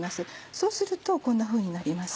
そうするとこんなふうになります。